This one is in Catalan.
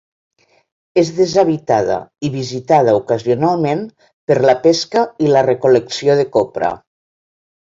És deshabitada i visitada ocasionalment per la pesca i la recol·lecció de copra.